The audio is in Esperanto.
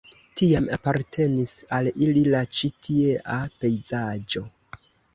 Tiam apartenis al ili la ĉi tiea pejzaĝo.